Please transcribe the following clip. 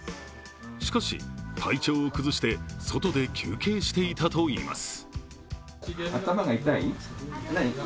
しかし体調を崩して外で休憩していたといいます。